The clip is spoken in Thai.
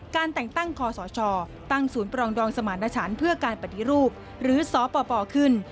การแต่งตั้งคอสชตั้งศูนย์ปรองดองสมารณชันเพื่อการปฏิรูปหรือสปขึ้น